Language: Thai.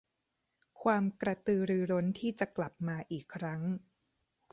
ความกระตือรือร้นที่จะกลับมาอีกครั้ง